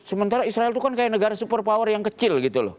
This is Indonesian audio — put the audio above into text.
sementara israel itu kan kayak negara super power yang kecil gitu loh